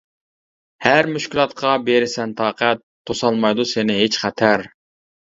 ھەر مۈشكۈلاتقا بېرىسەن تاقەت، توسالمايدۇ سېنى ھېچ خەتەر!